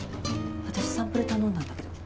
私サンプル頼んだんだけど。